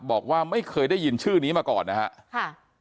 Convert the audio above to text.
บอกว่าไม่เคยได้ยินชื่อนี้มาก่อนนะครับ